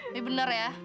ini bener ya